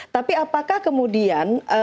tapi apakah kemudian